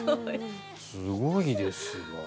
すごいですが。